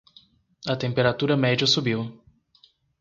A temperatura média subiu.